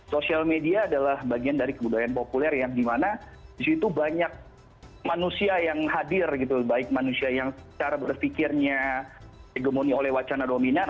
social media adalah bagian dari kebudayaan populer yang dimana di situ banyak manusia yang hadir gitu baik manusia yang secara berfikirnya hegemoni oleh wacana dominan